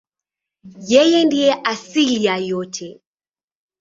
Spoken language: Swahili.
Yeye ndiye asili ya yote.